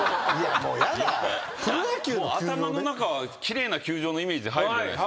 頭の中は奇麗な球場のイメージで入るじゃないですか。